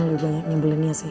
lu banyak nyebelinnya sih